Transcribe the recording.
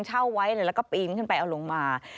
เช่าไว้แล้วก็ปีนขึ้นไปเอาลงมา